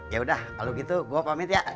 yaudah kalo gitu gua pamit ya